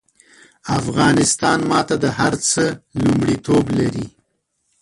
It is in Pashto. افغانستان ماته د هر څه لومړيتوب لري